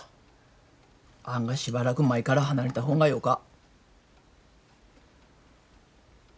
あがしばらく舞から離れた方がよか。